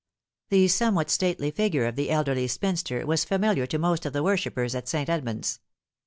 The somewhat stately figure of the elderly spinster was familiar to most of the worshippers at St. Edmund's.